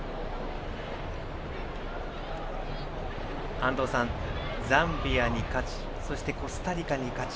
安藤さん、ザンビアに勝ちそしてコスタリカに勝ち